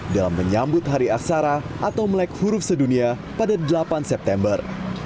dalam menyambut hari aksara atau melek huruf sedunia pada delapan september